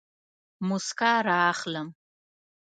موسکا رااخلم